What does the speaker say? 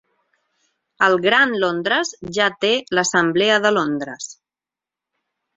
El Gran Londres ja té l'Assamblea de Londres.